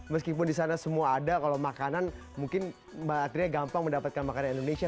meskipun di sana semua ada kalau makanan mungkin mbak atria gampang mendapatkan makanan indonesia